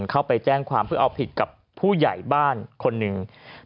เข้าไปแจ้งความเพื่อเอาผิดกับผู้ใหญ่บ้านคนหนึ่ง